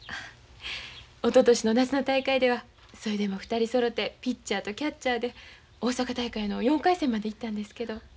おととしの夏の大会ではそれでも２人そろうてピッチャーとキャッチャーで大阪大会の４回戦まで行ったんですけど。